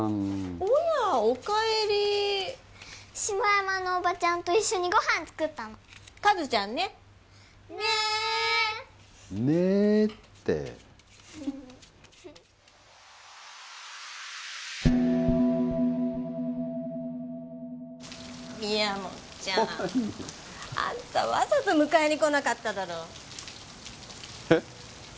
おやお帰り下山のおばちゃんと一緒にご飯作ったの「和ちゃん」ねねっ「ねっ」てみやもっちゃんあんたわざと迎えに来なかっただろえっ